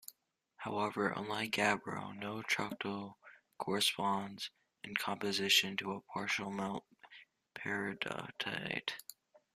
However, unlike gabbro, no troctolite corresponds in composition to a partial melt of peridotite.